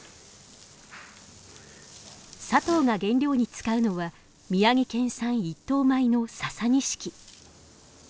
佐藤が原料に使うのは宮城県産一等米のササニシキ。